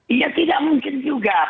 iya tidak mungkin juga